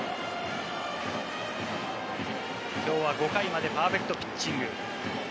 きょうは５回までパーフェクトピッチング。